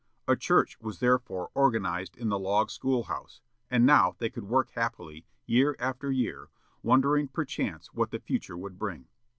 A church was therefore organized in the log school house, and now they could work happily, year after year, wondering perchance what the future would bring.